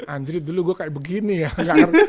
anjrid dulu gue kayak begini ya